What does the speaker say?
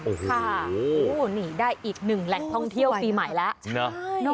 โอ้โหนี่ได้อีกหนึ่งแหล่งท่องเที่ยวปีใหม่แล้ว